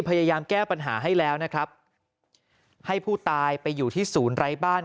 พยายามแก้ปัญหาให้แล้วนะครับให้ผู้ตายไปอยู่ที่ศูนย์ไร้บ้าน